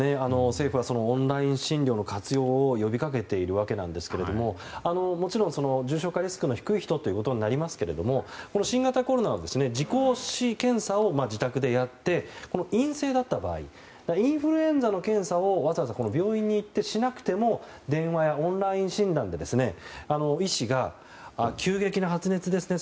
政府はオンライン診療の活用を呼びかけているわけなんですけどもちろん重症化リスクの低い人になりますが新型コロナの自己検査を自宅でやって陰性だった場合インフルエンザの検査をわざわざ病院に行ってしなくても電話やオンライン診断で医師が急激な発熱ですね